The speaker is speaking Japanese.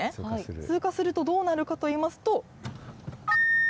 通過すると、どうなるかといいますと。